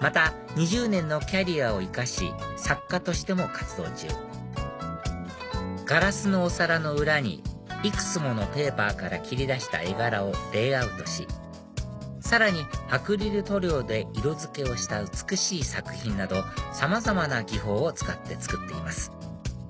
また２０年のキャリアを生かし作家としても活動中ガラスのお皿の裏にいくつものペーパーから切り出した絵柄をレイアウトしさらにアクリル塗料で色付けをした美しい作品などさまざまな技法を使って作っています